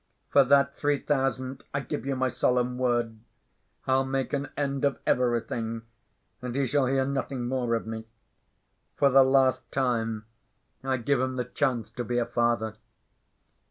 For that three thousand—I give you my solemn word—I'll make an end of everything, and he shall hear nothing more of me. For the last time I give him the chance to be a father.